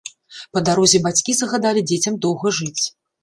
Па дарозе бацькі загадалі дзецям доўга жыць.